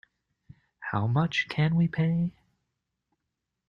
How much can we pay?